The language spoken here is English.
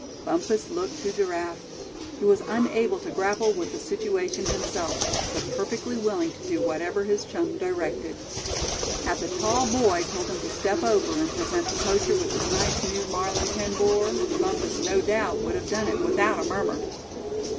Bumpus looked to Giraffe. He was unable to grapple with the situation himself; but perfectly willing to do whatever his chum directed. Had the tall boy told him to step over, and present the poacher with his nice new Marlin ten bore, Bumpus no doubt would have done it without a murmur.